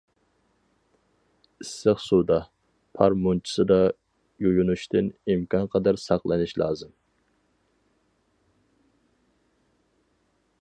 ئىسسىق سۇدا، پار مۇنچىسىدا يۇيۇنۇشتىن ئىمكانقەدەر ساقلىنىش لازىم.